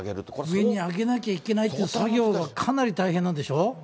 上に揚げなきゃいけないという作業はかなり大変なんでしょう？